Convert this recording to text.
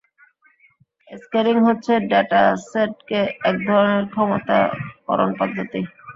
Scaling হচ্ছে ডেটাসেটকে একধরণের সমতা করন পদ্ধতি।